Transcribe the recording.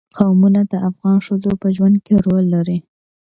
قومونه د افغان ښځو په ژوند کې رول لري.